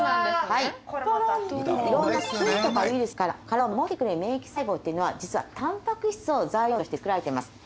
いろんな菌とかウイルスから体を守ってくれる免疫細胞っていうのは実はタンパクシ質を材料として作られています。